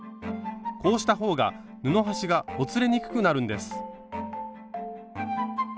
こうした方が布端がほつれにくくなるんです。